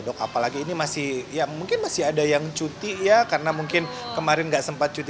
dok apalagi ini masih ya mungkin masih ada yang cuti ya karena mungkin kemarin nggak sempat cuti